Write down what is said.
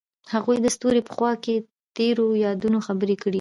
هغوی د ستوري په خوا کې تیرو یادونو خبرې کړې.